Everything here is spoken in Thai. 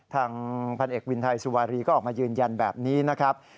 ทางพันเอกวินไทยสุวารีก็ออกมายืนยันแบบนี้นะครับ